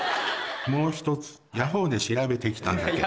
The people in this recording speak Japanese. もう一つヤホーで調べてきたんだけど。